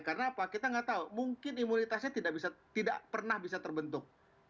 karena apa kita nggak tahu mungkin imunitasnya tidak pernah bisa terbentuk